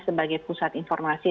sebagai pusat informasi